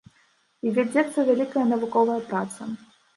І вядзецца вялікая навуковая праца.